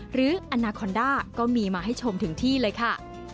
อนาคอนด้าก็มีมาให้ชมถึงที่เลยค่ะ